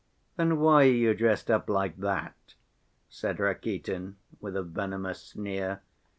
Then why are you dressed up like that?" said Rakitin, with a venomous sneer.